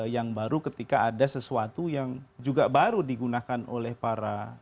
yang baru ketika ada sesuatu yang juga baru digunakan oleh para